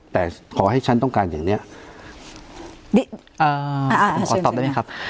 แต่ขอให้ฉันต้องการอย่างเนี้ยอ่าขอตอบได้ไหมครับ